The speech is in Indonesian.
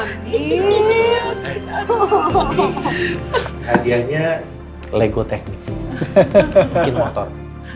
hadiahnya lego teknik motor